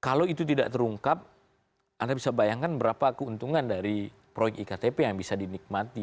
kalau itu tidak terungkap anda bisa bayangkan berapa keuntungan dari proyek iktp yang bisa dinikmati